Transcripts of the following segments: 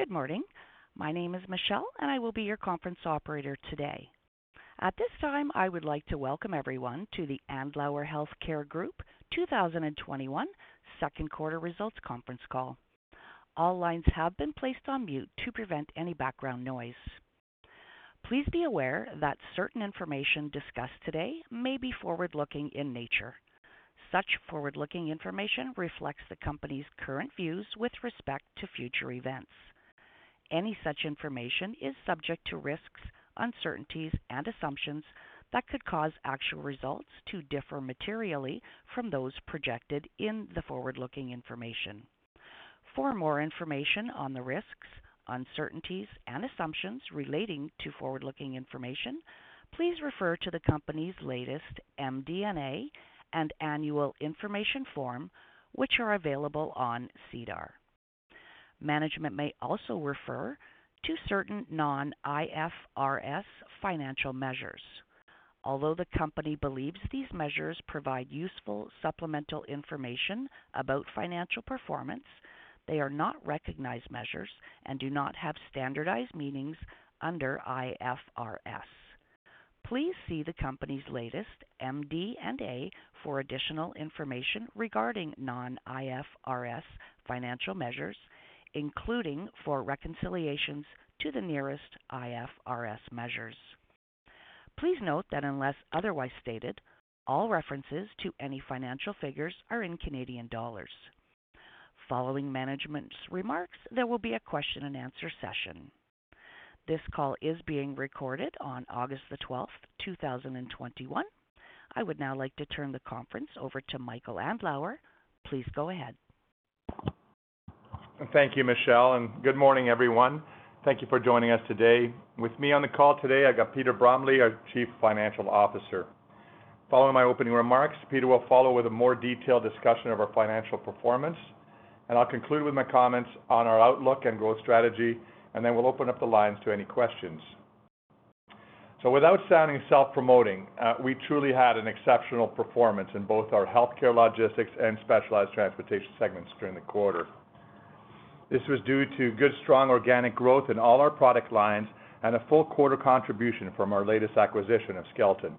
Good morning. My name is Michelle, and I will be your conference operator today. At this time, I would like to welcome everyone to the Andlauer Healthcare Group 2021 second quarter results conference call. All lines have been placed on mute to prevent any background noise. Please be aware that certain information discussed today may be forward-looking in nature. Such forward-looking information reflects the company's current views with respect to future events. Any such information is subject to risks, uncertainties, and assumptions that could cause actual results to differ materially from those projected in the forward-looking information. For more information on the risks, uncertainties, and assumptions relating to forward-looking information, please refer to the company's latest MD&A and annual information form, which are available on SEDAR. Management may also refer to certain non-IFRS financial measures. Although the company believes these measures provide useful supplemental information about financial performance, they are not recognized measures and do not have standardized meanings under IFRS. Please see the company's latest MD&A for additional information regarding non-IFRS financial measures, including for reconciliations to the nearest IFRS measures. Please note that unless otherwise stated, all references to any financial figures are in Canadian dollars. Following management's remarks, there will be a question and answer session. This call is being recorded on August the 12th, 2021. I would now like to turn the conference over to Michael Andlauer. Please go ahead. Thank you, Michelle, good morning, everyone. Thank you for joining us today. With me on the call today, I got Peter Bromley, our Chief Financial Officer. Following my opening remarks, Peter will follow with a more detailed discussion of our financial performance, and I'll conclude with my comments on our outlook and growth strategy, and then we'll open up the lines to any questions. Without sounding self-promoting, we truly had an exceptional performance in both our healthcare logistics and specialized transportation segments during the quarter. This was due to good, strong organic growth in all our product lines and a full quarter contribution from our latest acquisition of Skelton.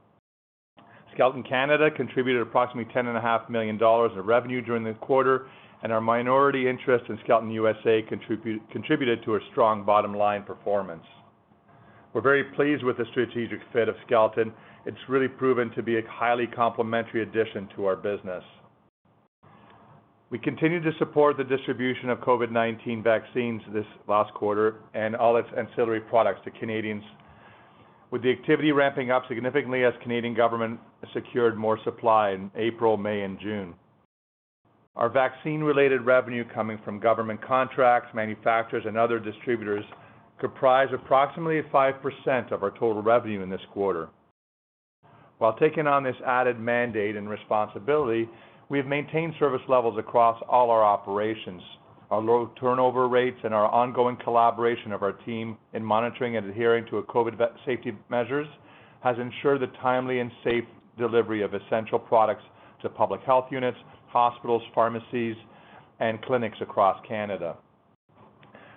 Skelton Canada contributed approximately 10.5 million dollars of revenue during the quarter, and our minority interest in Skelton USA contributed to a strong bottom-line performance. We're very pleased with the strategic fit of Skelton. It's really proven to be a highly complementary addition to our business. We continued to support the distribution of COVID-19 vaccines this last quarter and all its ancillary products to Canadians with the activity ramping up significantly as Canadian government secured more supply in April, May, and June. Our vaccine-related revenue coming from government contracts, manufacturers, and other distributors comprise approximately 5% of our total revenue in this quarter. While taking on this added mandate and responsibility, we've maintained service levels across all our operations. Our low turnover rates and our ongoing collaboration of our team in monitoring and adhering to COVID safety measures has ensured the timely and safe delivery of essential products to public health units, hospitals, pharmacies, and clinics across Canada.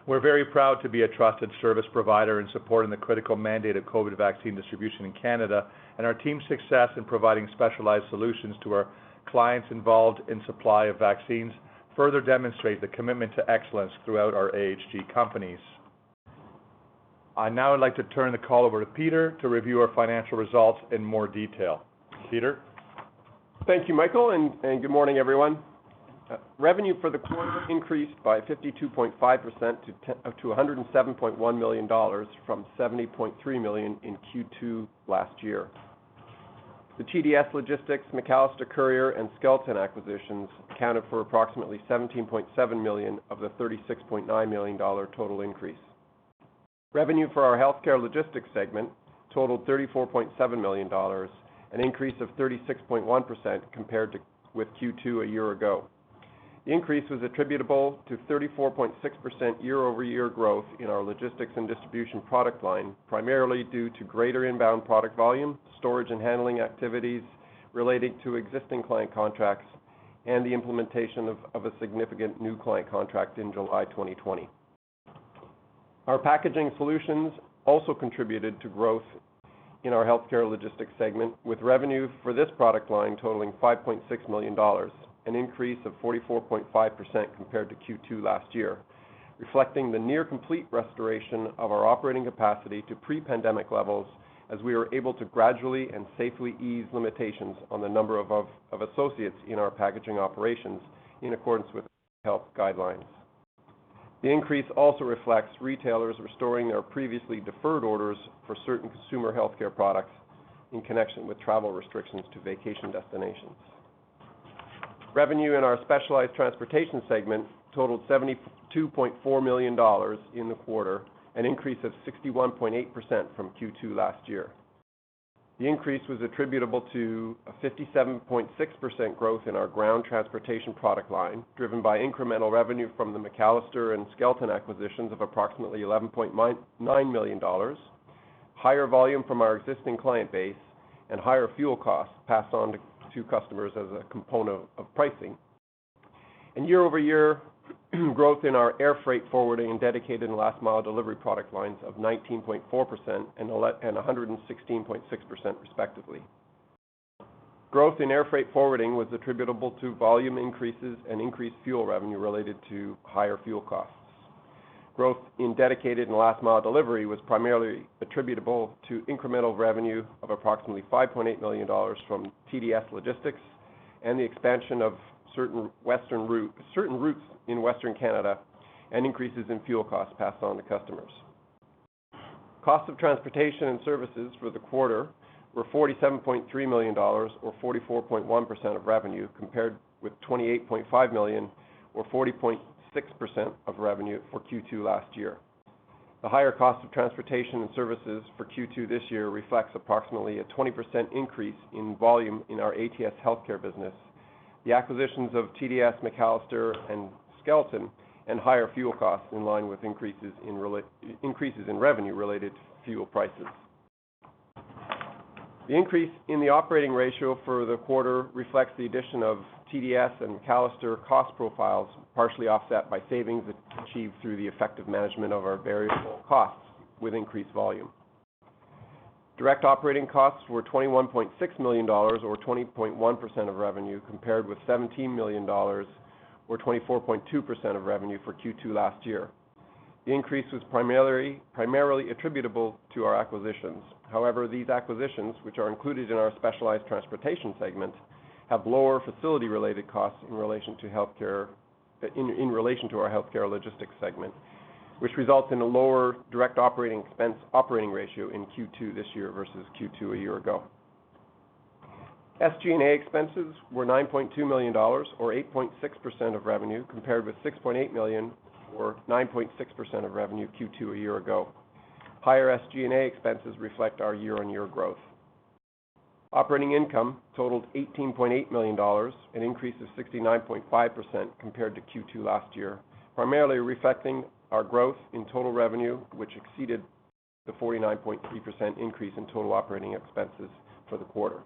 We're very proud to be a trusted service provider in supporting the critical mandate of COVID vaccine distribution in Canada, and our team's success in providing specialized solutions to our clients involved in supply of vaccines further demonstrate the commitment to excellence throughout our AHG companies. I now would like to turn the call over to Peter to review our financial results in more detail. Peter? Thank you, Michael, and good morning, everyone. Revenue for the quarter increased by 52.5% to 107.1 million dollars from 70.3 million in Q2 last year. The TDS Logistics, McAllister Courier, and Skelton acquisitions accounted for approximately 17.7 million of the 36.9 million dollar total increase. Revenue for our Healthcare Logistics segment totaled 34.7 million dollars, an increase of 36.1% compared with Q2 a year ago. The increase was attributable to 34.6% year-over-year growth in our logistics and distribution product line, primarily due to greater inbound product volume, storage and handling activities related to existing client contracts, and the implementation of a significant new client contract in July 2020. Our packaging solutions also contributed to growth in our Healthcare Logistics segment, with revenue for this product line totaling 5.6 million dollars, an increase of 44.5% compared to Q2 last year, reflecting the near complete restoration of our operating capacity to pre-pandemic levels as we are able to gradually and safely ease limitations on the number of associates in our packaging operations in accordance with health guidelines. The increase also reflects retailers restoring their previously deferred orders for certain consumer healthcare products in connection with travel restrictions to vacation destinations. Revenue in our Specialized Transportation segment totaled 72.4 million dollars in the quarter, an increase of 61.8% from Q2 last year. The increase was attributable to a 57.6% growth in our ground transportation product line, driven by incremental revenue from the McAllister and Skelton acquisitions of approximately 11.9 million dollars, higher volume from our existing client base, higher fuel costs passed on to customers as a component of pricing, and year-over-year growth in our air freight forwarding and dedicated and last mile delivery product lines of 19.4% and 116.6% respectively. Growth in air freight forwarding was attributable to volume increases and increased fuel revenue related to higher fuel costs. Growth in dedicated and last mile delivery was primarily attributable to incremental revenue of approximately 5.8 million dollars from TDS Logistics and the expansion of certain routes in Western Canada and increases in fuel costs passed on to customers. Cost of transportation and services for the quarter were 47.3 million dollars, or 44.1% of revenue, compared with 28.5 million or 40.6% of revenue for Q2 last year. The higher cost of transportation and services for Q2 this year reflects approximately a 20% increase in volume in our ATS Healthcare business, the acquisitions of TDS, McAllister and Skelton, and higher fuel costs in line with increases in revenue related to fuel prices. The increase in the operating ratio for the quarter reflects the addition of TDS and McAllister cost profiles, partially offset by savings achieved through the effective management of our variable costs with increased volume. Direct operating costs were 21.6 million dollars or 20.1% of revenue, compared with 17 million dollars or 24.2% of revenue for Q2 last year. The increase was primarily attributable to our acquisitions. These acquisitions, which are included in our specialized transportation segment, have lower facility-related costs in relation to our healthcare logistics segment, which results in a lower direct operating expense operating ratio in Q2 this year versus Q2 a year ago. SG&A expenses were 9.2 million dollars or 8.6% of revenue, compared with 6.8 million or 9.6% of revenue Q2 a year ago. Higher SG&A expenses reflect our year-on-year growth. Operating income totaled 18.8 million dollars, an increase of 69.5% compared to Q2 last year, primarily reflecting our growth in total revenue, which exceeded the 49.3% increase in total operating expenses for the quarter.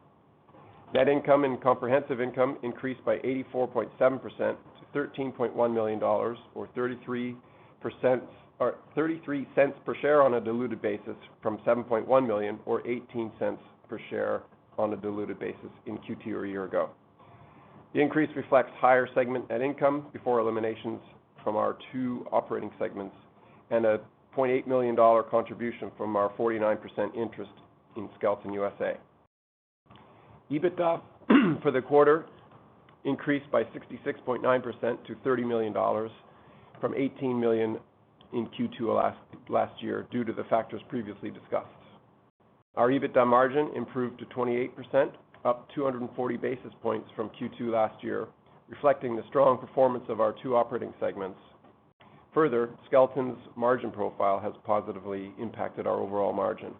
Net income and comprehensive income increased by 84.7% to 13.1 million dollars, or 0.33 per share on a diluted basis from 7.1 million or 0.18 per share on a diluted basis in Q2 a year ago. The increase reflects higher segment net income before eliminations from our two operating segments and a 0.8 million dollar contribution from our 49% interest in Skelton USA. EBITDA for the quarter increased by 66.9% to 30 million dollars from 18 million in Q2 last year due to the factors previously discussed. Our EBITDA margin improved to 28%, up 240 basis points from Q2 last year, reflecting the strong performance of our two operating segments. Further, Skelton's margin profile has positively impacted our overall margin.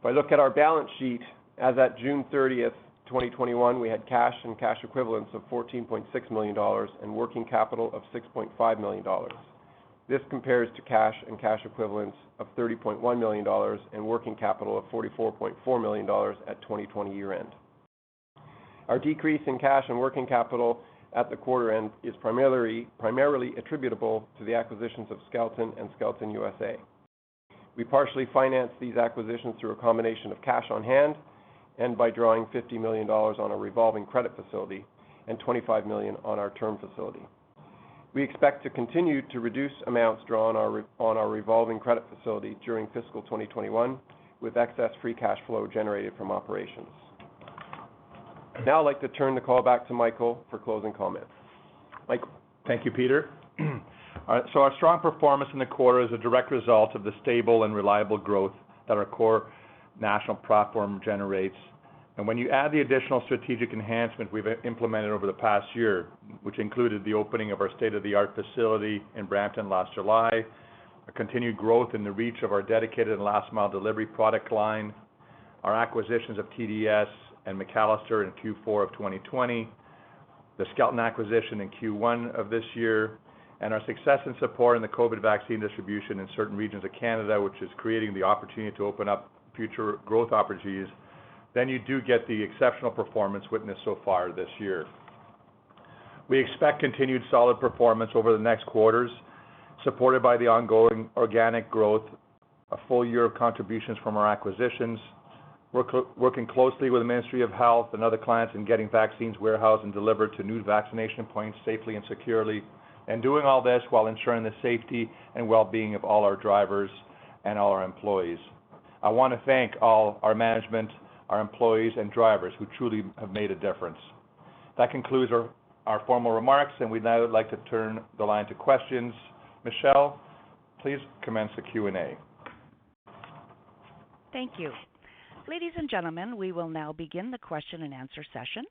If I look at our balance sheet, as at June 30th, 2021, we had cash and cash equivalents of 14.6 million dollars and working capital of 6.5 million dollars. This compares to cash and cash equivalents of 30.1 million dollars and working capital of 44.4 million dollars at 2020 year-end. Our decrease in cash and working capital at the quarter end is primarily attributable to the acquisitions of Skelton and Skelton USA. We partially financed these acquisitions through a combination of cash on hand and by drawing 50 million dollars on a revolving credit facility and 25 million on our term facility. We expect to continue to reduce amounts drawn on our revolving credit facility during fiscal 2021 with excess free cash flow generated from operations. I'd now like to turn the call back to Michael for closing comments. Mike? Thank you, Peter. All right. Our strong performance in the quarter is a direct result of the stable and reliable growth that our core national platform generates. When you add the additional strategic enhancement we've implemented over the past year, which included the opening of our state-of-the-art facility in Brampton last July, a continued growth in the reach of our dedicated and last mile delivery product line, our acquisitions of TDS and McAllister in Q4 of 2020, the Skelton acquisition in Q1 of this year, and our success and support in the COVID vaccine distribution in certain regions of Canada, which is creating the opportunity to open up future growth opportunities, then you do get the exceptional performance witnessed so far this year. We expect continued solid performance over the next quarters, supported by the ongoing organic growth, a full year of contributions from our acquisitions. We're working closely with the Ministry of Health and other clients in getting vaccines warehoused and delivered to new vaccination points safely and securely, and doing all this while ensuring the safety and well-being of all our drivers and all our employees. I want to thank all our management, our employees, and drivers who truly have made a difference. That concludes our formal remarks, and we'd now like to turn the line to questions. Michelle, please commence the Q&A. Thank you. Ladies and gentlemen, we will now begin the question and answer session.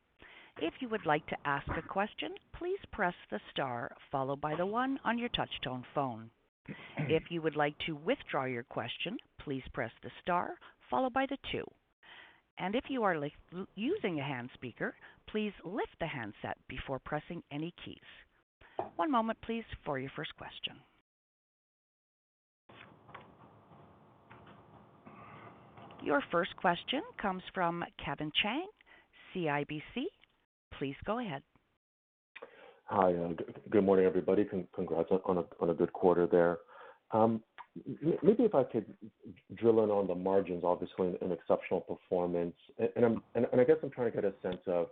If you would like to ask a question, please press the star followed by the one on your touch tone phone. If you would like to withdraw your question, please press the star followed by the two If you are using a hand speaker, please lift the handset before pressing any keys. Your first question comes from Kevin Chiang, CIBC. Please go ahead. Hi, and good morning, everybody. Congrats on a good quarter there. Maybe if I could drill in on the margins, obviously an exceptional performance. I guess I'm trying to get a sense of,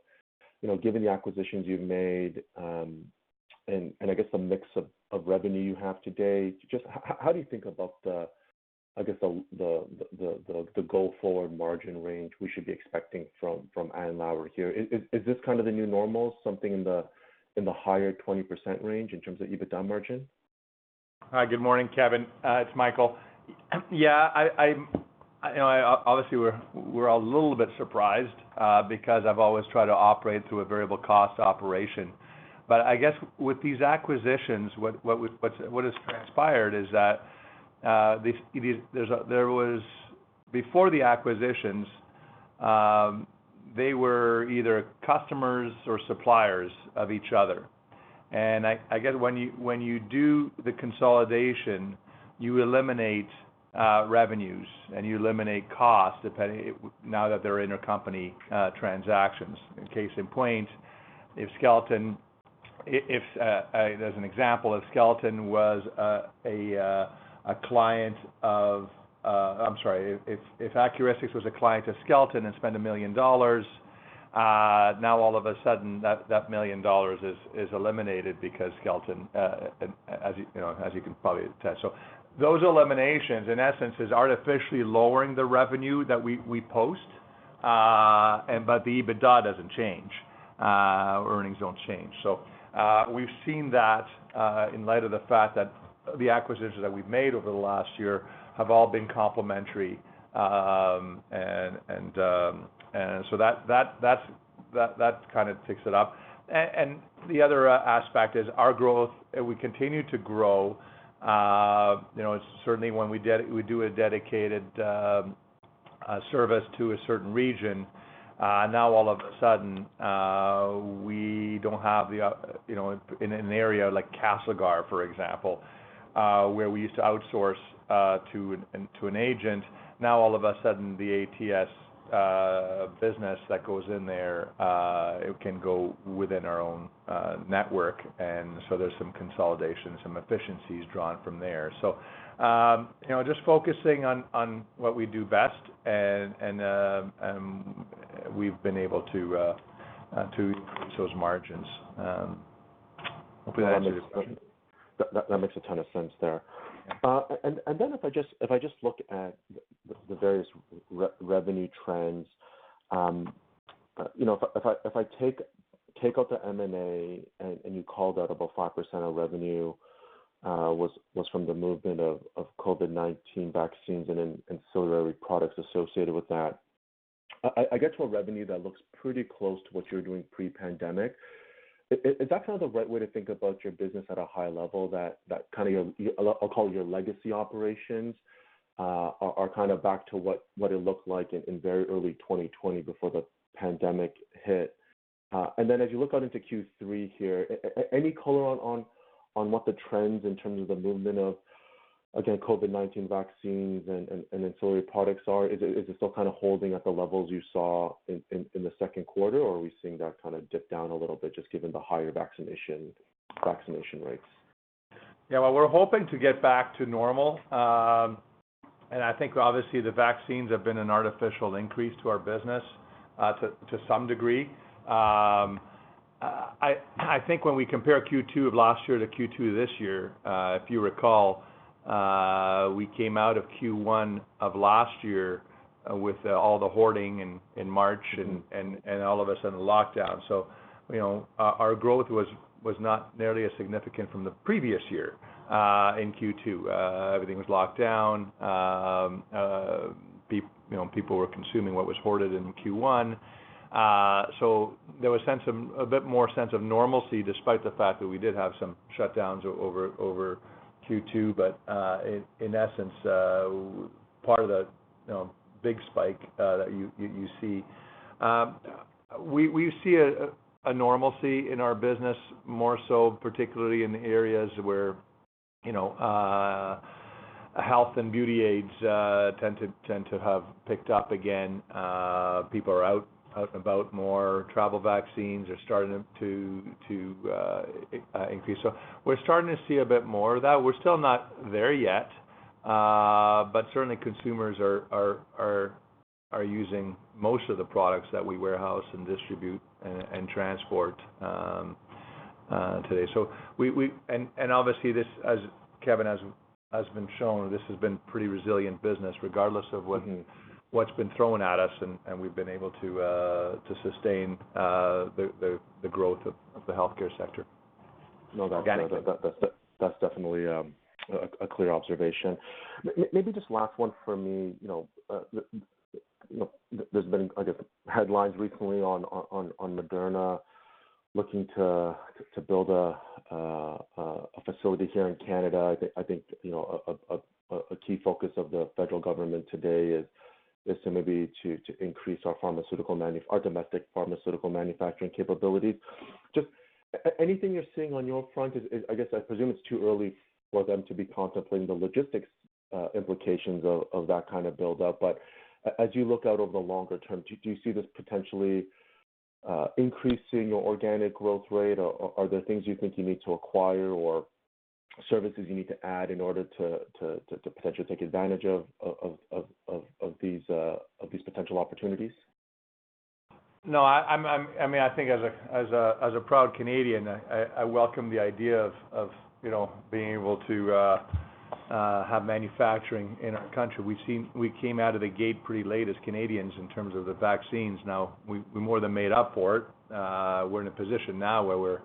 given the acquisitions you've made, and I guess the mix of revenue you have today, just how do you think about the go-forward margin range we should be expecting from Andlauer here? Is this kind of the new normal, something in the higher 20% range in terms of EBITDA margin? Hi, good morning, Kevin. It's Michael. Yeah, obviously we're a little bit surprised because I've always tried to operate through a variable cost operation. I guess with these acquisitions, what has transpired is that before the acquisitions, they were either customers or suppliers of each other. I guess when you do the consolidation, you eliminate revenues, and you eliminate costs now that they're intercompany transactions. A case in point, as an example, if Accuristix was a client of Skelton and spent 1 million dollars, now all of a sudden that 1 million dollars is eliminated because Skelton, as you can probably attest. Those eliminations, in essence, is artificially lowering the revenue that we post. The EBITDA doesn't change. Earnings don't change. We've seen that in light of the fact that the acquisitions that we've made over the last year have all been complementary, that kind of ticks it up. The other aspect is our growth. We continue to grow. Certainly when we do a dedicated service to a certain region, now all of a sudden, in an area like Castlegar, for example, where we used to outsource to an agent, now all of a sudden, the ATS business that goes in there can go within our own network. There's some consolidation, some efficiencies drawn from there. Just focusing on what we do best, we've been able to increase those margins. Hopefully that answers your question. That makes a ton of sense there. Then if I just look at the various revenue trends, if I take out the M&A, and you called out about 5% of revenue was from the movement of COVID-19 vaccines and ancillary products associated with that, I get to a revenue that looks pretty close to what you were doing pre-pandemic. Is that kind of the right way to think about your business at a high level, that kind of, I'll call it your legacy operations, are kind of back to what it looked like in very early 2020 before the pandemic hit? Then as you look out into Q3 here, any color on what the trends in terms of the movement of, again, COVID-19 vaccines and ancillary products are? Is it still kind of holding at the levels you saw in the second quarter, or are we seeing that kind of dip down a little bit just given the higher vaccination rates? Yeah. Well, we're hoping to get back to normal. I think obviously the vaccines have been an artificial increase to our business to some degree. I think when we compare Q2 of last year to Q2 this year, if you recall, we came out of Q1 of last year with all the hoarding in March and all of a sudden lockdown. Our growth was not nearly as significant from the previous year in Q2. Everything was locked down. People were consuming what was hoarded in Q1. There was a bit more sense of normalcy, despite the fact that we did have some shutdowns over Q2. In essence, part of the big spike that you see, we see a normalcy in our business more so, particularly in areas where health and beauty aids tend to have picked up again. People are out and about more. Travel vaccines are starting to increase. We're starting to see a bit more of that. We're still not there yet. Certainly consumers are using most of the products that we warehouse and distribute and transport today. Obviously, as Kevin has been shown, this has been pretty resilient business regardless of what's been thrown at us, and we've been able to sustain the growth of the healthcare sector organically. No, that's definitely a clear observation. Maybe just last one for me. There's been, I guess, headlines recently on Moderna looking to build a facility here in Canada. I think, a key focus of the federal government today is to maybe increase our domestic pharmaceutical manufacturing capabilities. Just anything you're seeing on your front is, I guess I presume it's too early for them to be contemplating the logistics implications of that kind of buildup. As you look out over the longer term, do you see this potentially increasing your organic growth rate? Or are there things you think you need to acquire or services you need to add in order to potentially take advantage of these potential opportunities? No, I think as a proud Canadian, I welcome the idea of being able to have manufacturing in our country. Now, we came out of the gate pretty late as Canadians in terms of the vaccines. We more than made up for it. We're in a position now where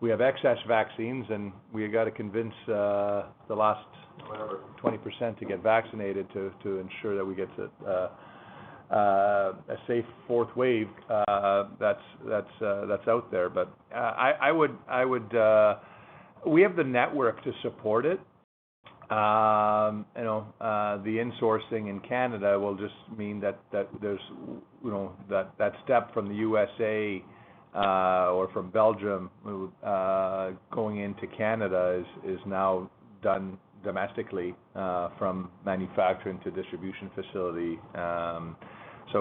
we have excess vaccines, and we've got to convince the last, whatever, 20% to get vaccinated to ensure that we get to a safe fourth wave that's out there. We have the network to support it. The insourcing in Canada will just mean that step from the U.S.A., or from Belgium, going into Canada is now done domestically, from manufacturing to distribution facility.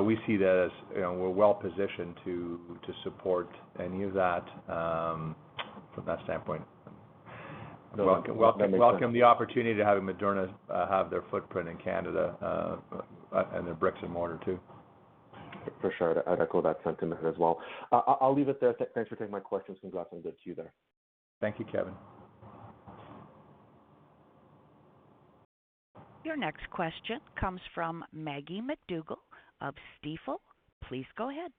We see that as we're well-positioned to support any of that, from that standpoint. Welcome the opportunity to have Moderna have their footprint in Canada, and their bricks and mortar too. For sure. I'd echo that sentiment as well. I'll leave it there. Thanks for taking my questions. Congratulations to you there. Thank you, Kevin. Your next question comes from Maggie MacDougall of Stifel. Please go ahead.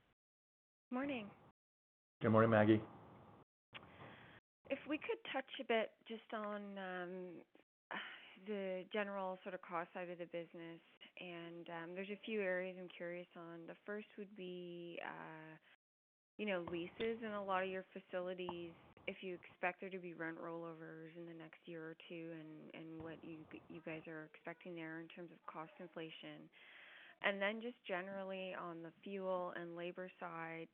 Morning. Good morning, Maggie. If we could touch a bit just on the general sort of cost side of the business, there's a few areas I'm curious on. The first would be leases in a lot of your facilities, if you expect there to be rent rollovers in the next year or two, and what you guys are expecting there in terms of cost inflation. Then just generally on the fuel and labor side,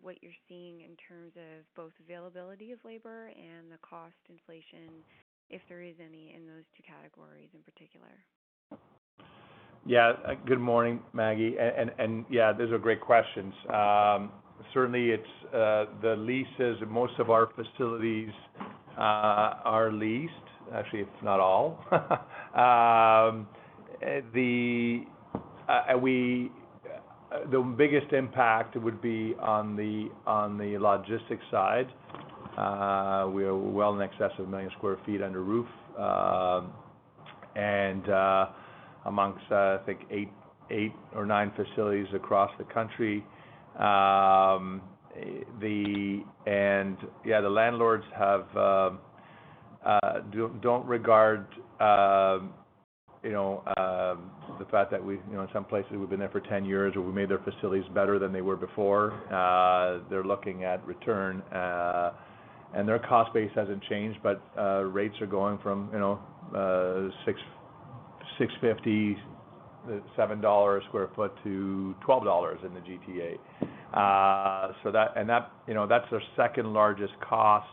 what you're seeing in terms of both availability of labor and the cost inflation, if there is any, in those two categories in particular. Good morning, Maggie. Yeah, those are great questions. Certainly, it's the leases. Most of our facilities are leased. Actually, it's not all. The biggest impact would be on the logistics side. We are well in excess of 1 million sq ft under roof, and amongst, I think eight or nine facilities across the country. The landlords don't regard the fact that in some places we've been there for 10 years, or we made their facilities better than they were before. They're looking at return. Their cost base hasn't changed, but rates are going from CAD 6.50, CAD 7 a sq ft to 12 dollars in the GTA. That's their second-largest cost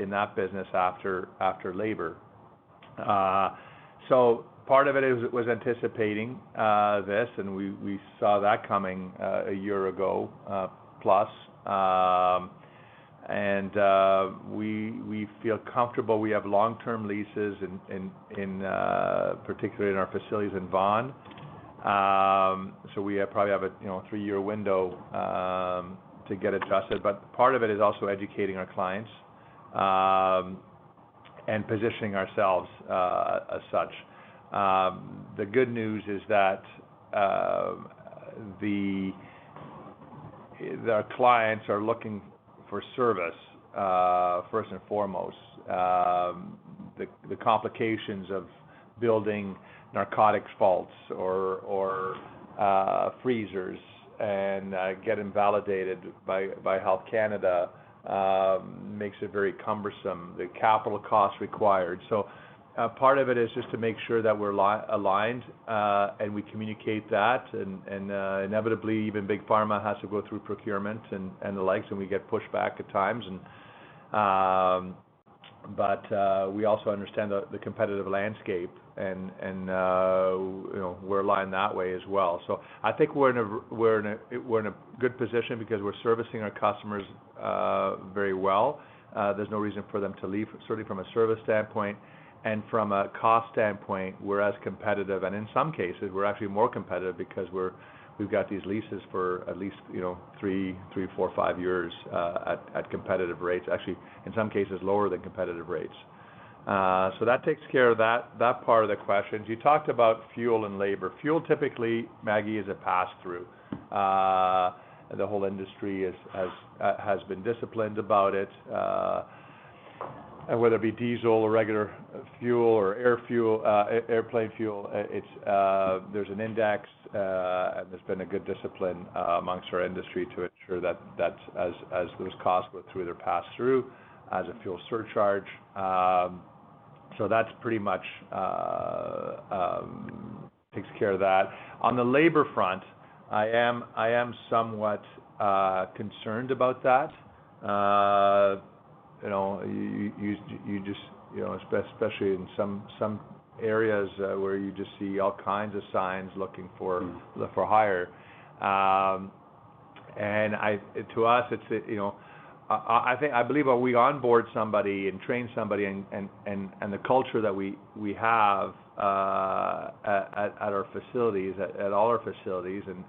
in that business after labor. Part of it was anticipating this, and we saw that coming a year ago plus. We feel comfortable. We have long-term leases, particularly in our facilities in Vaughan. We probably have a three-year window to get adjusted, but part of it is also educating our clients, and positioning ourselves as such. The good news is that our clients are looking for service, first and foremost. The complications of building narcotics vaults or freezers and get validated by Health Canada makes it very cumbersome, the capital costs required. Part of it is just to make sure that we're aligned, and we communicate that, and inevitably, even Big Pharma has to go through procurement and the likes, and we get pushback at times. We also understand the competitive landscape and we're aligned that way as well. I think we're in a good position because we're servicing our customers very well. There's no reason for them to leave, certainly from a service standpoint. From a cost standpoint, we're as competitive, and in some cases, we're actually more competitive because we've got these leases for at least three, four, five years at competitive rates. Actually, in some cases, lower than competitive rates. That takes care of that part of the question. You talked about fuel and labor. Fuel, typically, Maggie, is a pass-through. The whole industry has been disciplined about it. Whether it be diesel or regular fuel or airplane fuel, there's an index, and there's been a good discipline amongst our industry to ensure that as those costs go through, they're passed through as a fuel surcharge. That pretty much takes care of that. On the labor front, I am somewhat concerned about that, especially in some areas where you just see all kinds of signs looking for hire. To us, I believe when we onboard somebody and train somebody and the culture that we have at all our facilities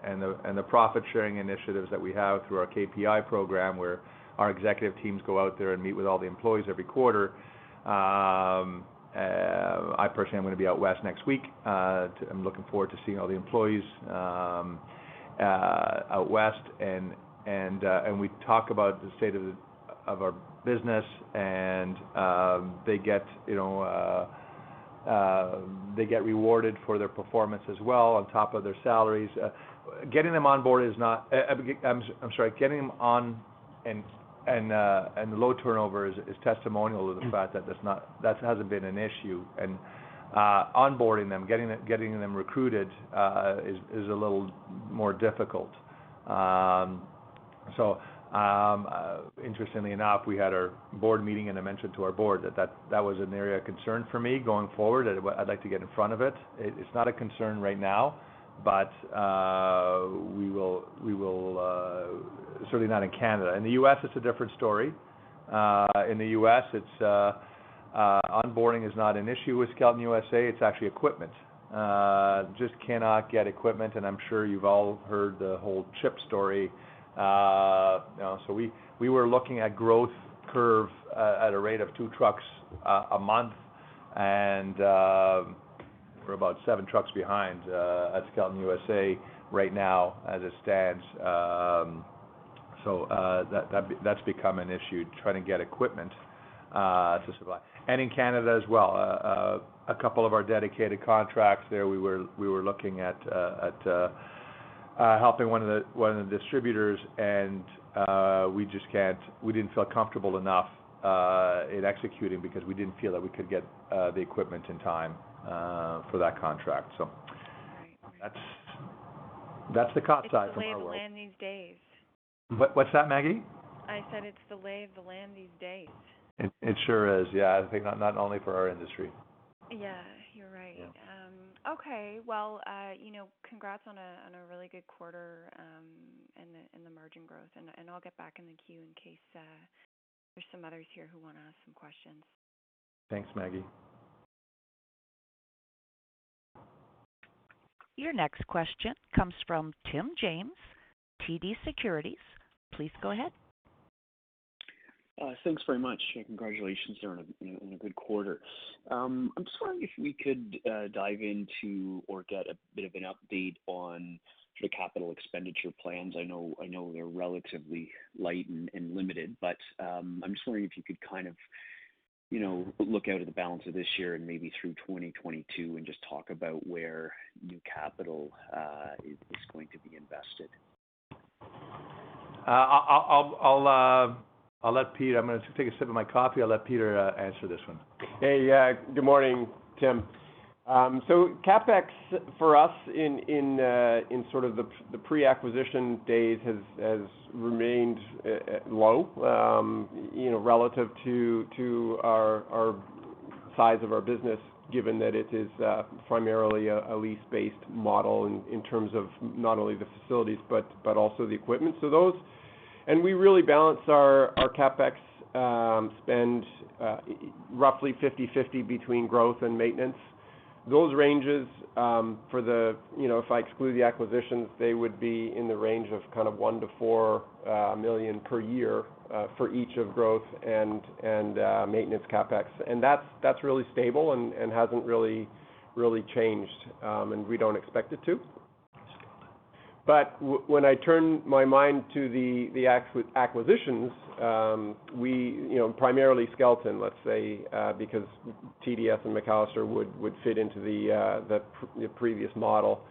and the profit-sharing initiatives that we have through our KPI program, where our executive teams go out there and meet with all the employees every quarter. I personally am going to be out West next week. I'm looking forward to seeing all the employees out West, and we talk about the state of our business, and they get rewarded for their performance as well on top of their salaries. Getting them on and low turnover is testimonial to the fact that that hasn't been an issue. Onboarding them, getting them recruited is a little more difficult. Interestingly enough, we had our board meeting, and I mentioned to our board that that was an area of concern for me going forward. I'd like to get in front of it. It's not a concern right now, certainly not in Canada. In the U.S., it's a different story. In the U.S., onboarding is not an issue with Skelton USA. It's actually equipment. Just cannot get equipment, and I'm sure you've all heard the whole chip story. We were looking at growth curve at a rate of two trucks a month, and we're about seven trucks behind at Skelton USA right now as it stands. That's become an issue, trying to get equipment to supply. In Canada as well, a couple of our dedicated contracts there, we were looking at helping 1 of the distributors, and we didn't feel comfortable enough in executing because we didn't feel that we could get the equipment in time for that contract. That's the CapEx side from our world. It's the lay of the land these days. What's that, Maggie? I said it's the lay of the land these days. It sure is. Yeah. I think not only for our industry. Yeah, you're right. Yeah. Okay. Well, congrats on a really good quarter and the margin growth, and I'll get back in the queue in case there's some others here who want to ask some questions. Thanks, Maggie. Your next question comes from Tim James, TD Securities. Please go ahead. Thanks very much. Congratulations on a good quarter. I'm just wondering if we could dive into or get a bit of an update on the capital expenditure plans. I know they're relatively light and limited, but I'm just wondering if you could look out at the balance of this year and maybe through 2022 and just talk about where new capital is going to be invested. I'm going to take a sip of my coffee. I'll let Peter answer this one. Good morning, Tim. CapEx for us in sort of the pre-acquisition days has remained low relative to our size of our business, given that it is primarily a lease-based model in terms of not only the facilities but also the equipment. We really balance our CapEx spend roughly 50/50 between growth and maintenance. Those ranges, if I exclude the acquisitions, they would be in the range of kind of 1 million-4 million per year for each of growth and maintenance CapEx. That's really stable and hasn't really changed, and we don't expect it to. Sure. When I turn my mind to the acquisitions, primarily Skelton, let's say, because TDS and McAllister would fit into the previous model.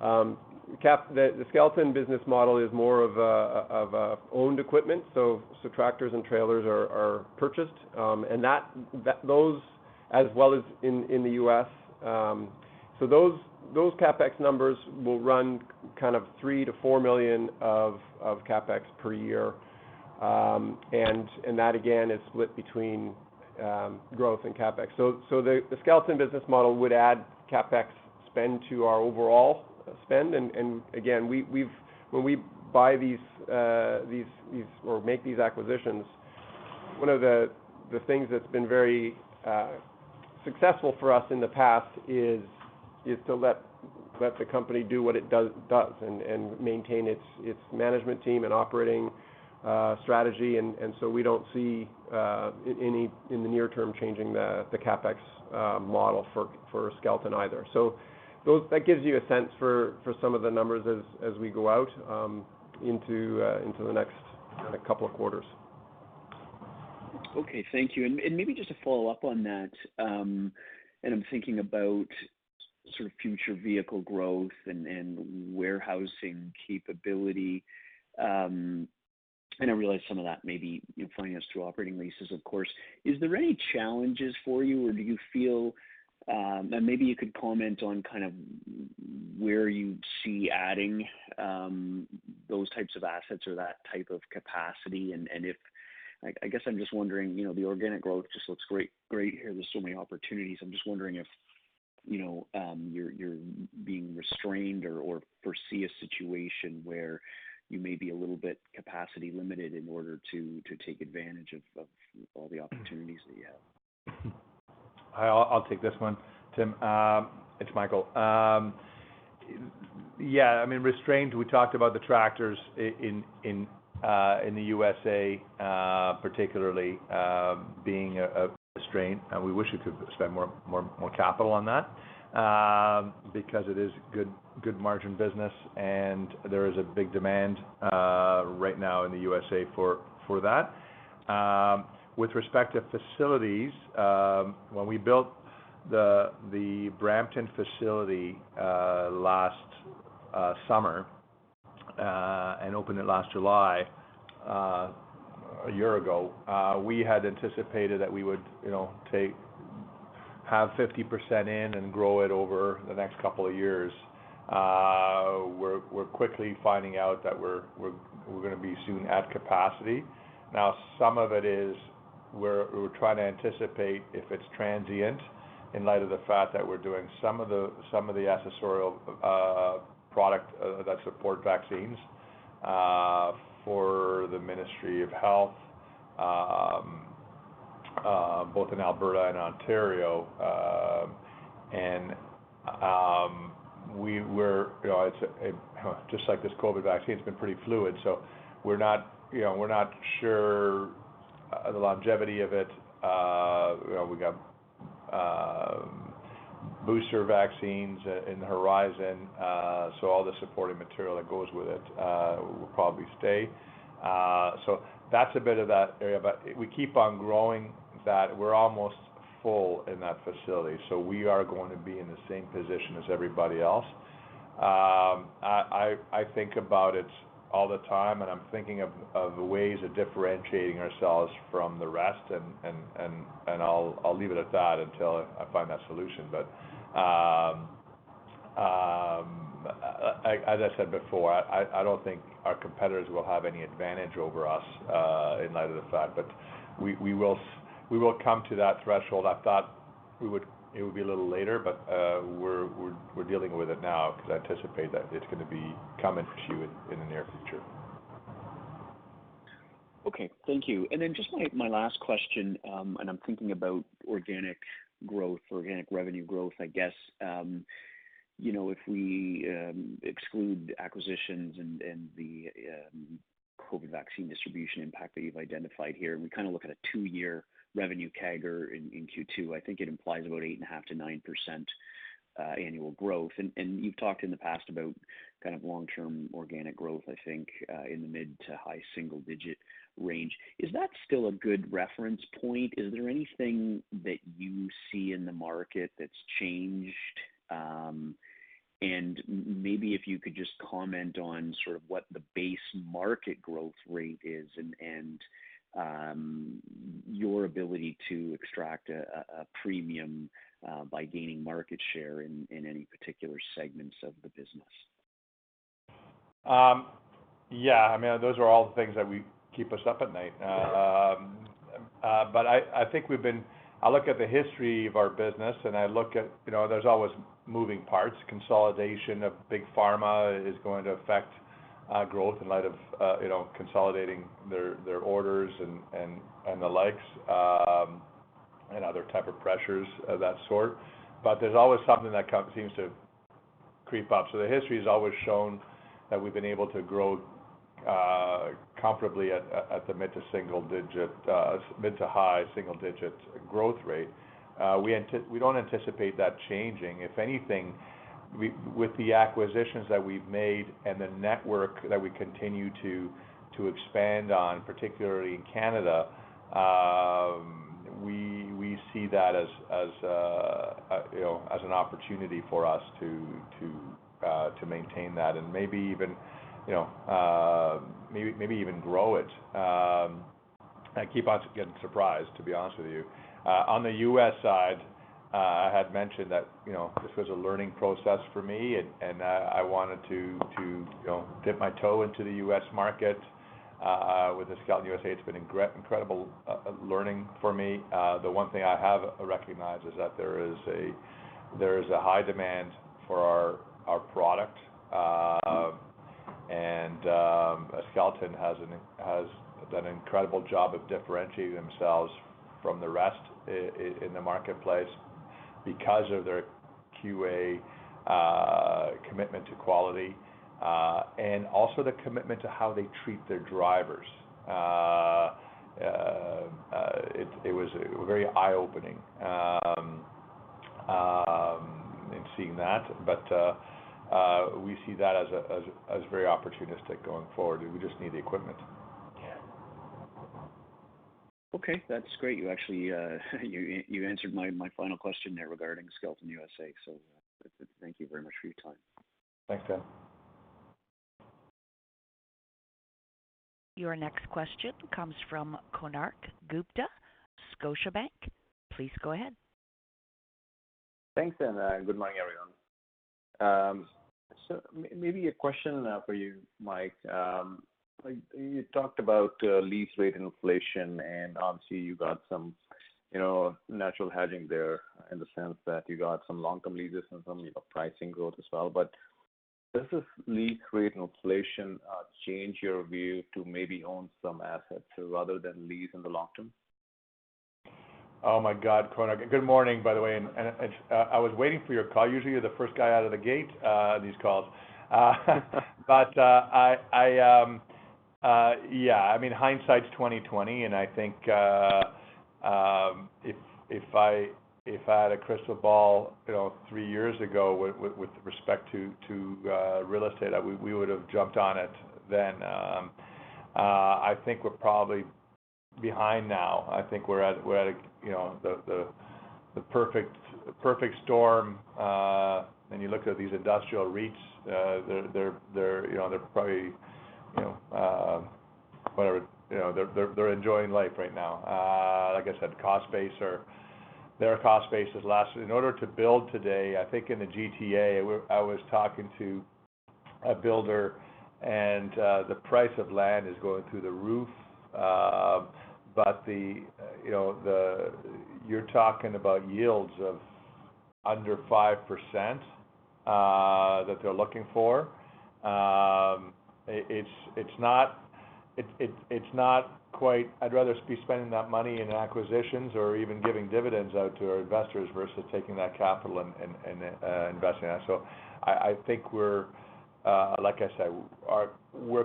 The Skelton business model is more of owned equipment. Tractors and trailers are purchased, and those as well as in the U.S. Those CapEx numbers will run kind of 3 million-4 million of CapEx per year. That again, is split between growth and CapEx. The Skelton business model would add CapEx spend to our overall spend. Again, when we buy these or make these acquisitions, one of the things that's been very successful for us in the past is to let the company do what it does and maintain its management team and operating strategy. We don't see in the near term changing the CapEx model for Skelton either. That gives you a sense for some of the numbers as we go out into the next couple of quarters. Okay, thank you. I'm thinking about sort of future vehicle growth and warehousing capability. I realize some of that may be you're finding us through operating leases, of course. Is there any challenges for you? Maybe you could comment on kind of where you see adding those types of assets or that type of capacity. I guess I'm just wondering, the organic growth just looks great here. There are so many opportunities. I'm just wondering if you're being restrained or foresee a situation where you may be a little bit capacity limited in order to take advantage of all the opportunities that you have. I'll take this one, Tim. It's Michael. Yeah, I mean, restrained, we talked about the tractors in the USA particularly being a restraint, we wish we could spend more capital on that because it is good margin business, there is a big demand right now in the USA for that. With respect to facilities, when we built the Brampton facility last summer, opened it last July, a year ago, we had anticipated that we would have 50% in and grow it over the next couple of years. We're quickly finding out that we're going to be soon at capacity. Some of it is we're trying to anticipate if it's transient in light of the fact that we're doing some of the accessorial product that support vaccines for the Ministry of Health, both in Alberta and Ontario. Just like this COVID vaccine, it's been pretty fluid, so we're not sure the longevity of it. We got booster vaccines in the horizon, so all the supporting material that goes with it will probably stay. That's a bit of that area, but we keep on growing that. We're almost full in that facility, so we are going to be in the same position as everybody else. I think about it all the time, and I'm thinking of ways of differentiating ourselves from the rest, and I'll leave it at that until I find that solution. As I said before, I don't think our competitors will have any advantage over us in light of the fact, but we will come to that threshold. I thought it would be a little later, but we're dealing with it now because I anticipate that it's going to be coming for sure in the near future. Okay, thank you. Just my last question, I'm thinking about organic growth, organic revenue growth, I guess. If we exclude acquisitions and the COVID vaccine distribution impact that you've identified here and we kind of look at a two-year revenue CAGR in Q2, I think it implies about 8.5%-9% annual growth. You've talked in the past about kind of long-term organic growth, I think, in the mid to high single digit range. Is that still a good reference point? Is there anything that you see in the market that's changed? Maybe if you could just comment on sort of what the base market growth rate is and your ability to extract a premium by gaining market share in any particular segments of the business. Yeah, I mean, those are all the things that keep us up at night. I look at the history of our business and there's always moving parts. Consolidation of Big Pharma is going to affect our growth in light of consolidating their orders and the likes, and other type of pressures of that sort. There's always something that seems to creep up. The history has always shown that we've been able to grow comparably at the mid to high single-digit growth rate. We don't anticipate that changing. If anything, with the acquisitions that we've made and the network that we continue to expand on, particularly in Canada, we see that as an opportunity for us to maintain that and maybe even grow it. I keep on getting surprised, to be honest with you. On the U.S. side, I had mentioned that this was a learning process for me, and I wanted to dip my toe into the U.S. market with the Skelton USA. It's been incredible learning for me. The one thing I have recognized is that there is a high demand for our product, and Skelton has done an incredible job of differentiating themselves from the rest in the marketplace because of their QA commitment to quality, and also the commitment to how they treat their drivers. It was very eye-opening seeing that. We see that as very opportunistic going forward. We just need the equipment. Yeah. Okay. That's great. You actually answered my final question there regarding Skelton USA. Thank you very much for your time. Thanks, Tim. Your next question comes from Konark Gupta, Scotiabank. Please go ahead. Thanks. Good morning, everyone. Maybe a question for you, Michael. You talked about lease rate and inflation, and obviously you got some natural hedging there in the sense that you got some long-term leases and some pricing growth as well. Does this lease rate and inflation change your view to maybe own some assets rather than lease in the long term? Oh my God, Konark. Good morning, by the way. I was waiting for your call. Usually, you're the first guy out of the gate these calls. Yeah, hindsight's 20/20, and I think if I had a crystal ball three years ago with respect to real estate, we would've jumped on it then. I think we're probably behind now. I think we're at the perfect storm. You look at these industrial REITs, they're enjoying life right now. Like I said, their cost base has lasted. In order to build today, I think in the GTA, I was talking to a builder. The price of land is going through the roof. You're talking about yields of under 5% that they're looking for. I'd rather be spending that money in acquisitions or even giving dividends out to our investors versus taking that capital and investing it. I think we're, like I said,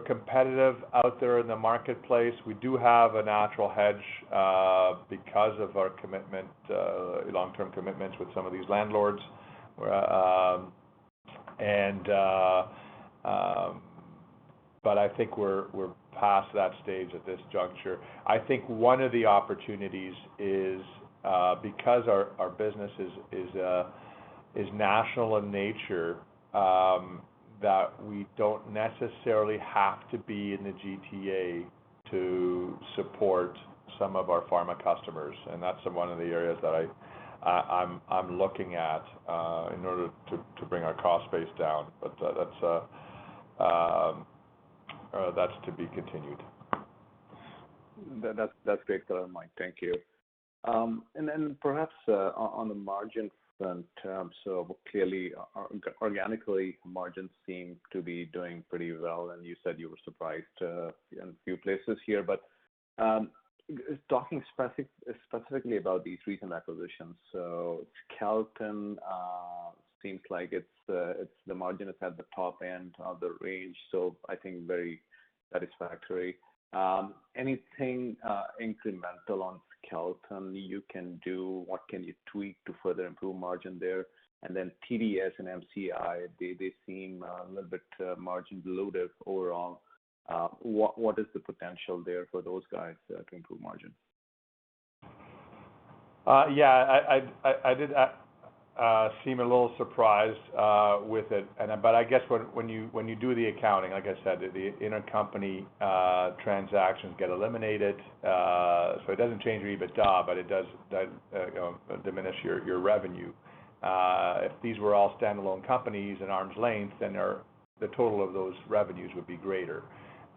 competitive out there in the marketplace. We do have a natural hedge because of our long-term commitments with some of these landlords. I think we're past that stage at this juncture. I think one of the opportunities is because our business is national in nature, that we don't necessarily have to be in the GTA to support some of our pharma customers. That's one of the areas that I'm looking at in order to bring our cost base down. That's to be continued. That's great, Mike. Thank you. Perhaps on the margin front, clearly, organically, margins seem to be doing pretty well, and you said you were surprised in a few places here. Talking specifically about these recent acquisitions, Skelton seems like the margin is at the top end of the range. I think very satisfactory. Anything incremental on Skelton you can do? What can you tweak to further improve margin there? TDS and MCI, they seem a little bit margin loaded overall. What is the potential there for those guys to improve margins? Yeah, I did seem a little surprised with it, but I guess when you do the accounting, like I said, the intercompany transactions get eliminated. It doesn't change your EBITDA, but it does diminish your revenue. If these were all standalone companies in arm's length, then the total of those revenues would be greater.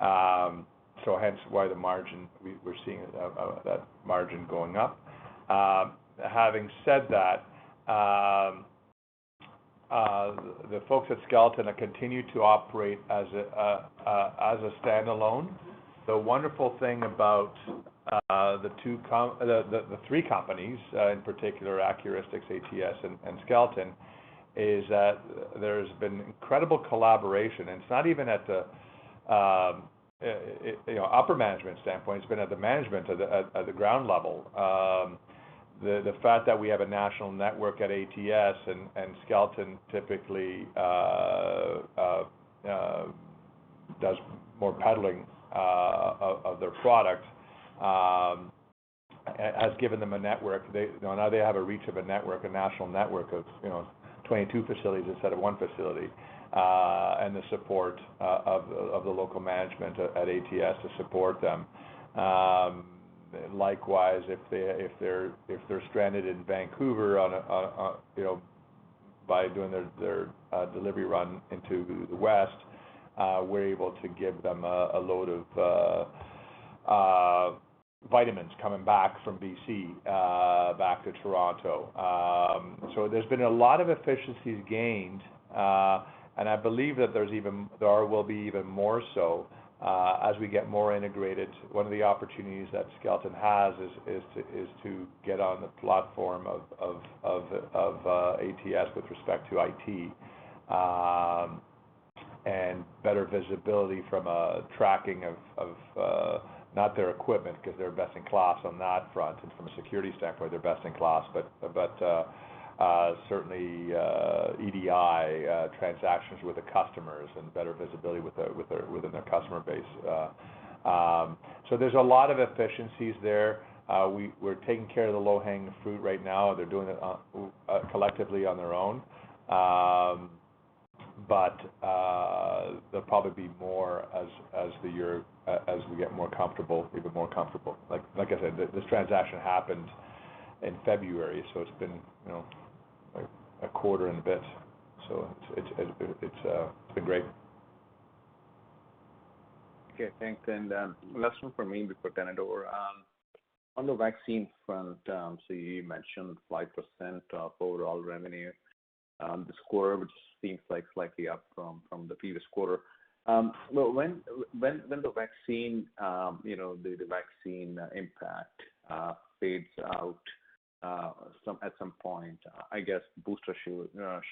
Hence why we're seeing that margin going up. Having said that, the folks at Skelton have continued to operate as a standalone. The wonderful thing about the three companies, in particular, Accuristix, ATS, and Skelton, is that there's been incredible collaboration, and it's not even at the upper management standpoint, it's been at the management, at the ground level. The fact that we have a national network at ATS and Skelton typically does more peddling of their product, has given them a network. Now they have a reach of a network, a national network of 22 facilities instead of one facility, and the support of the local management at ATS to support them. Likewise, if they're stranded in Vancouver by doing their delivery run into the west, we're able to give them a load of vitamins coming back from BC back to Toronto. There's been a lot of efficiencies gained, and I believe that there will be even more so as we get more integrated. One of the opportunities that Skelton has is to get on the platform of ATS with respect to IT. And better visibility from a tracking of, not their equipment, because they're best in class on that front, and from a security standpoint, they're best in class. Certainly, EDI transactions with the customers and better visibility within their customer base. There's a lot of efficiencies there. We're taking care of the low-hanging fruit right now. They're doing it collectively on their own. There'll probably be more as we get more comfortable. Like I said, this transaction happened in February, it's been a quarter and a bit. It's been great. Okay, thanks. Last one from me before turning it over. On the vaccine front, you mentioned 5% of overall revenue this quarter, which seems slightly up from the previous quarter. When the vaccine impact fades out at some point, I guess booster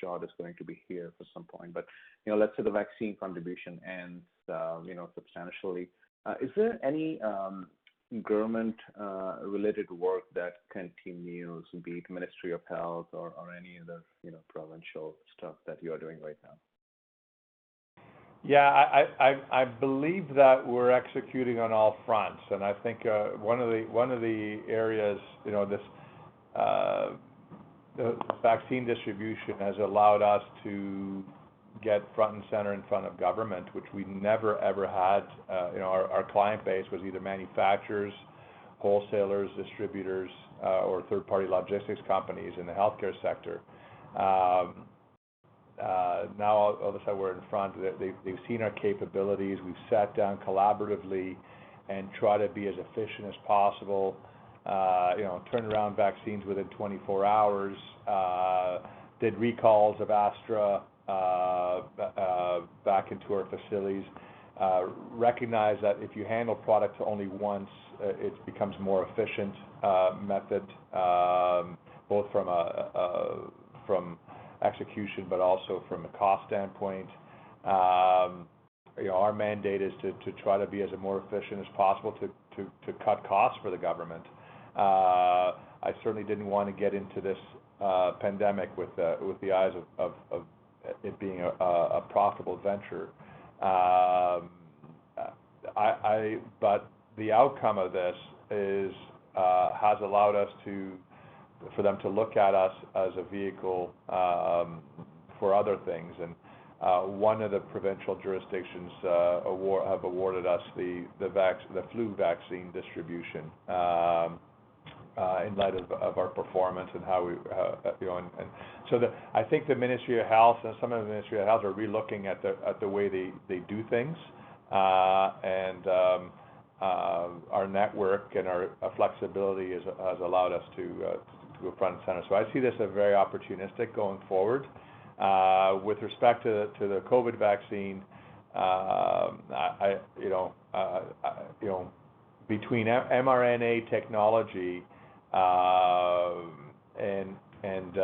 shot is going to be here for some point, but let's say the vaccine contribution ends substantially. Is there any government-related work that continues, be it Ministry of Health or any of the provincial stuff that you are doing right now? Yeah, I believe that we're executing on all fronts, and I think one of the areas, this vaccine distribution has allowed us to get front and center in front of government, which we never, ever had. Our client base was either manufacturers, wholesalers, distributors, or third-party logistics companies in the healthcare sector. Now all of a sudden, we're in front. They've seen our capabilities. We've sat down collaboratively and try to be as efficient as possible. Turnaround vaccines within 24 hours, did recalls of AstraZeneca back into our facilities, recognize that if you handle products only once, it becomes more efficient method, both from execution, but also from a cost standpoint. Our mandate is to try to be as more efficient as possible to cut costs for the government. I certainly didn't want to get into this pandemic with the eyes of it being a profitable venture. The outcome of this has allowed us for them to look at us as a vehicle for other things, and one of the provincial jurisdictions have awarded us the flu vaccine distribution in light of our performance. I think the Ministry of Health, and some of the Ministry of Health are re-looking at the way they do things. Our network and our flexibility has allowed us to go front and center. I see this as very opportunistic going forward. With respect to the COVID vaccine, between mRNA technology and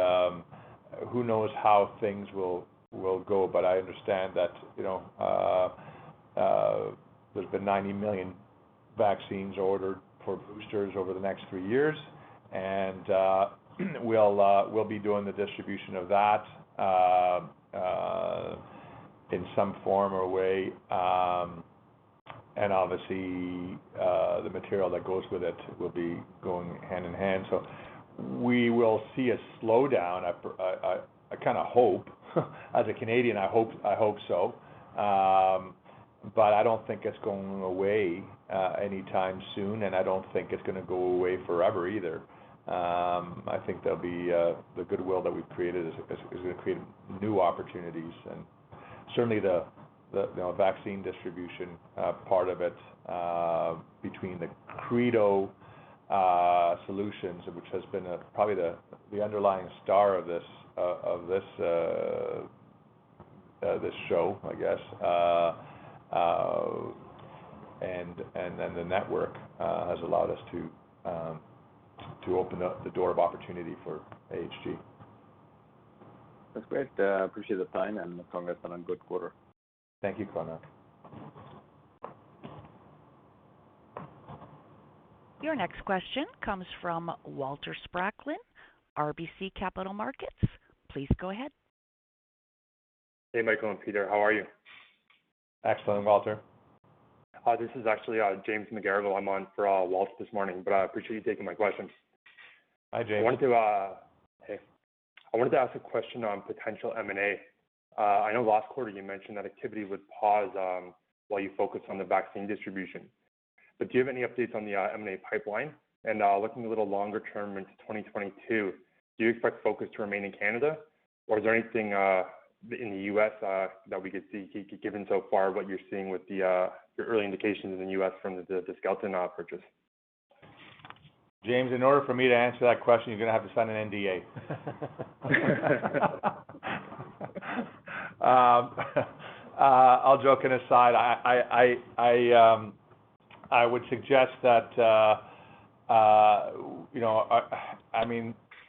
who knows how things will go, but I understand that there's been 90 million vaccines ordered for boosters over the next three years, and we'll be doing the distribution of that in some form or way. Obviously, the material that goes with it will be going hand in hand. We will see a slowdown, I kind of hope. As a Canadian, I hope so. I don't think it's going away anytime soon, I don't think it's going to go away forever either. I think the goodwill that we've created is going to create new opportunities and certainly the vaccine distribution part of it, between the Credo solutions, which has been probably the underlying star of this show, I guess, and then the network has allowed us to open up the door of opportunity for AHG. That's great. I appreciate the time and congrats on a good quarter. Thank you, Konark Gupta. Your next question comes from Walter Spracklin, RBC Capital Markets. Please go ahead. Hey, Michael and Peter. How are you? Excellent, Walter. This is actually James McGarrigle. I'm on for Walter this morning, but I appreciate you taking my questions. Hi, James. Hey. I wanted to ask a question on potential M&A. I know last quarter you mentioned that activity would pause while you focus on the vaccine distribution. Do you have any updates on the M&A pipeline? Looking a little longer term into 2022, do you expect focus to remain in Canada, or is there anything in the U.S. that we could see, given so far what you're seeing with your early indications in the U.S. from the Skelton purchase? James, in order for me to answer that question, you're going to have to sign an NDA. All joking aside,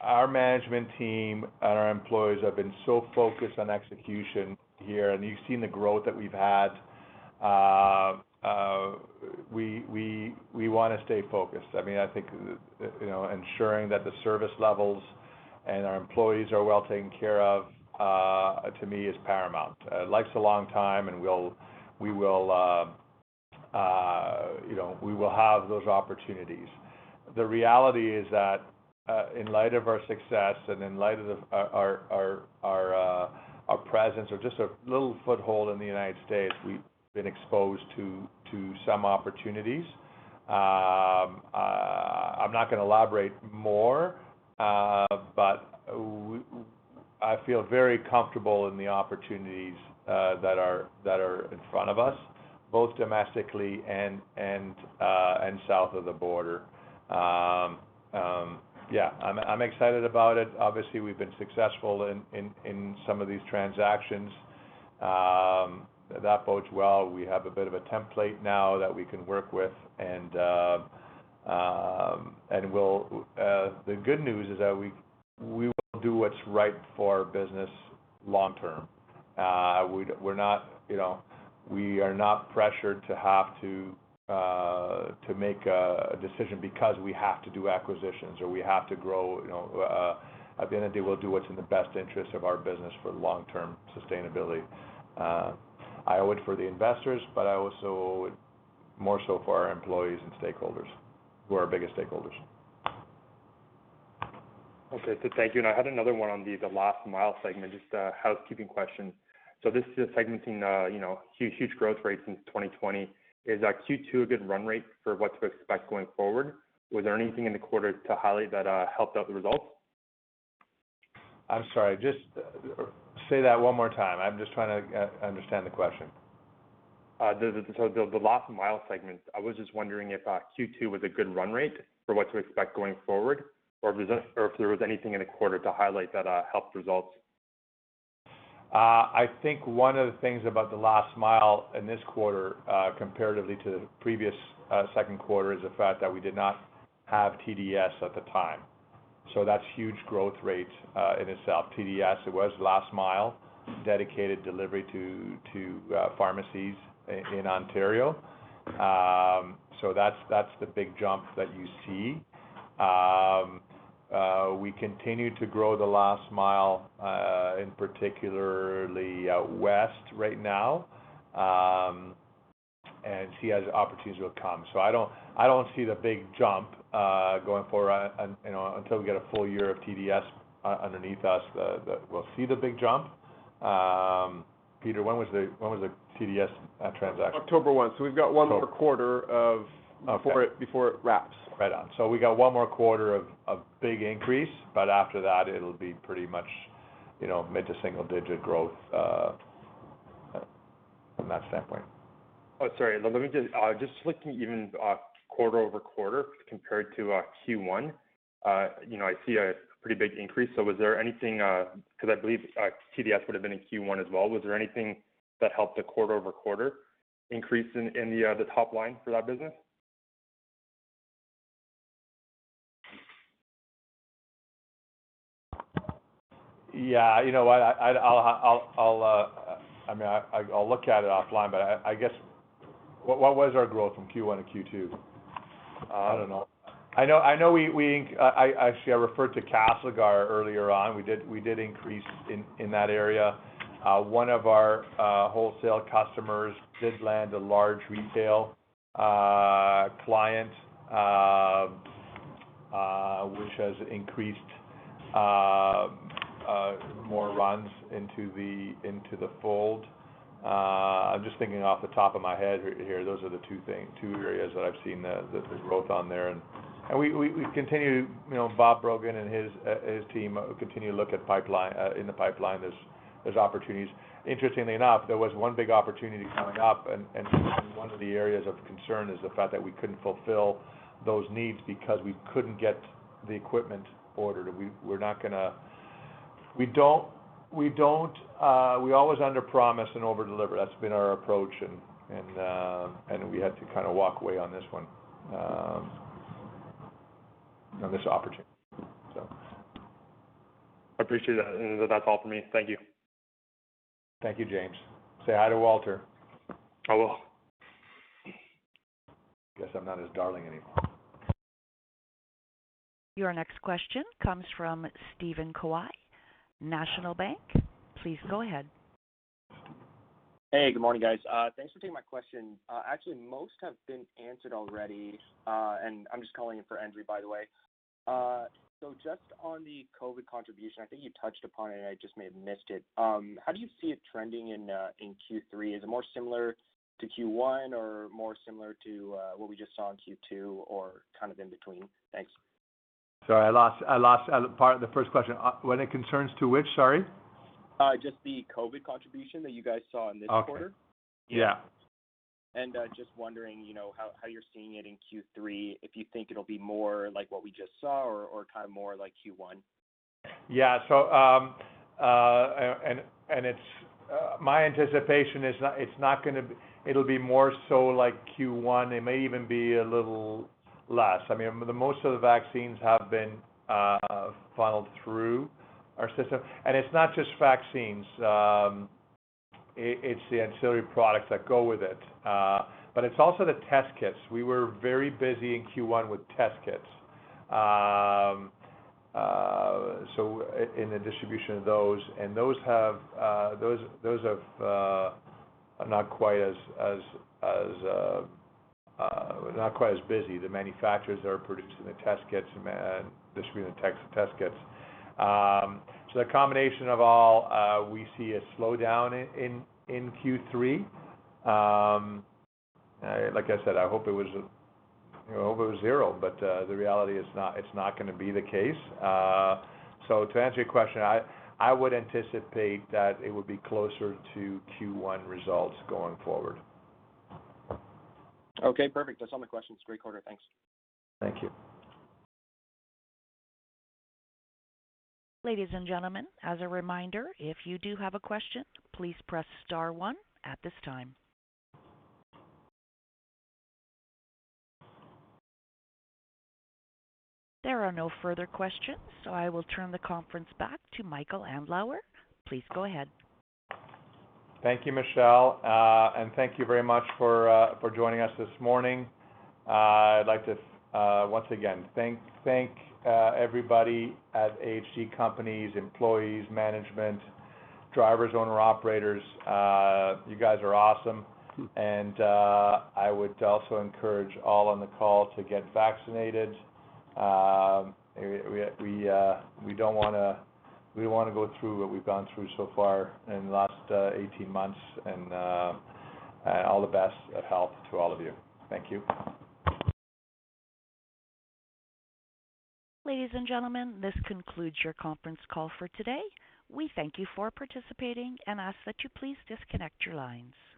our management team and our employees have been so focused on execution here, and you've seen the growth that we've had. We want to stay focused. I think ensuring that the service levels and our employees are well taken care of, to me, is paramount. Life's a long time. We will have those opportunities. The reality is that in light of our success and in light of our presence or just a little foothold in the U.S., we've been exposed to some opportunities. I'm not going to elaborate more. I feel very comfortable in the opportunities that are in front of us, both domestically and south of the border. I'm excited about it. Obviously, we've been successful in some of these transactions. That bodes well. We have a bit of a template now that we can work with. The good news is that we will do what's right for business long term. We are not pressured to have to make a decision because we have to do acquisitions or we have to grow. At the end of the day, we'll do what's in the best interest of our business for long-term sustainability. I owe it for the investors, but I also owe it more so for our employees and stakeholders, who are our biggest stakeholders. Thank you. I had another one on the Last Mile segment, just a housekeeping question. This is a segment seeing huge growth rates since 2020. Is Q2 a good run rate for what to expect going forward? Was there anything in the quarter to highlight that helped out the results? I'm sorry, just say that one more time. I'm just trying to understand the question. The Last Mile segment, I was just wondering if Q2 was a good run rate for what to expect going forward, or if there was anything in the quarter to highlight that helped results? I think one of the things about the last mile in this quarter, comparatively to the previous second quarter, is the fact that we did not have TDS at the time. That's huge growth rates in itself. TDS, it was last mile dedicated delivery to pharmacies in Ontario. That's the big jump that you see. We continue to grow the last mile, in particularly out West right now, and see as opportunities will come. I don't see the big jump going forward until we get a full year of TDS underneath us that we'll see the big jump. Peter, when was the TDS transaction? October one. We've got one more quarter. Okay before it wraps. Right on. We got one more quarter of big increase, but after that it'll be pretty much mid to single digit growth from that standpoint. Sorry. Just looking even quarter-over-quarter compared to Q1, I see a pretty big increase. Was there anything, because I believe TDS would have been in Q1 as well, was there anything that helped the quarter-over-quarter increase in the top line for that business? Yeah. I'll look at it offline, but I guess, what was our growth from Q1-Q2? I don't know. Actually, I referred to Castlegar earlier on. We did increase in that area. One of our wholesale customers did land a large retail client, which has increased more runs into the fold. I'm just thinking off the top of my head here. Those are the two areas that I've seen the growth on there. We continue, Bob Brogan and his team continue to look in the pipeline. There's opportunities. Interestingly enough, there was one big opportunity coming up, and 1 of the areas of concern is the fact that we couldn't fulfill those needs because we couldn't get the equipment ordered. We always underpromise and overdeliver. That's been our approach, and we had to walk away on this one, on this opportunity. I appreciate that. That's all for me. Thank you. Thank you, James. Say hi to Walter. I will. Guess I'm not his darling anymore. Your next question comes from Steven Kwai, National Bank. Please go ahead. Hey, good morning, guys. Thanks for taking my question. Actually, most have been answered already. I'm just calling in for Andrew, by the way. Just on the COVID contribution, I think you touched upon it, I just may have missed it. How do you see it trending in Q3? Is it more similar to Q1, or more similar to what we just saw in Q2, or kind of in between? Thanks. Sorry, I lost part of the first question. When it concerns to which? Sorry. Just the COVID contribution that you guys saw in this quarter. Okay. Yeah. Just wondering how you're seeing it in Q3, if you think it'll be more like what we just saw or more like Q1. Yeah. My anticipation is it'll be more so like Q1. It may even be a little less. I mean, most of the vaccines have been funneled through our system, and it's not just vaccines. It's the ancillary products that go with it. It's also the test kits. We were very busy in Q1 with test kits, so in the distribution of those. Those have not quite as busy. The manufacturers are producing the test kits and distributing the test kits. The combination of all, we see a slowdown in Q3. Like I said, I hope it was zero, but the reality is it's not going to be the case. To answer your question, I would anticipate that it would be closer to Q1 results going forward. Okay, perfect. That's all my questions. Great quarter. Thanks. Thank you. Ladies and gentlemen, as a reminder, if you do have a question, please press star one at this time. There are no further questions, I will turn the conference back to Michael Andlauer. Please go ahead. Thank you, Michelle. Thank you very much for joining us this morning. I'd like to once again thank everybody at AHG companies, employees, management, drivers, owner-operators. You guys are awesome, and I would also encourage all on the call to get vaccinated. We don't want to go through what we've gone through so far in the last 18 months, and all the best of health to all of you. Thank you. Ladies and gentlemen, this concludes your conference call for today. We thank you for participating and ask that you please disconnect your lines.